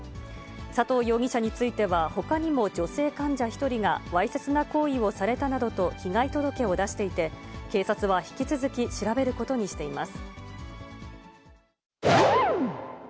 佐藤容疑者については、ほかにも女性患者１人がわいせつな行為をされたなどと、被害届を出していて、警察は引き続き、調べることにしています。